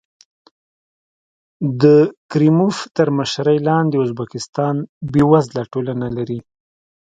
د کریموف تر مشرۍ لاندې ازبکستان بېوزله ټولنه لري.